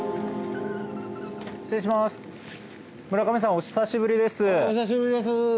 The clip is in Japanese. お久しぶりです。